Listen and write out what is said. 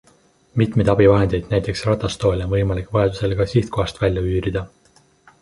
Mitmeid abivahendeid, näiteks ratastoole on võimalik vajadusel ka sihtkohas välja üürida.